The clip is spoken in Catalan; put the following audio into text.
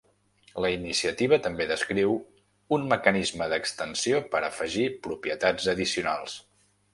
La iniciativa també descriu un mecanisme d'extensió per afegir propietats addicionals.